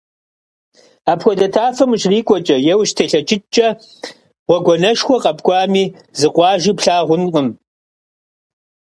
Апхуэдэ тафэм ущрикӀуэкӀэ е ущытелъэтыкӀкӀэ, гъуэгуанэшхуэ къэпкӀуами, зы къуажи плъагъункъым.